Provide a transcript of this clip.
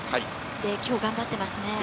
今日頑張ってますね。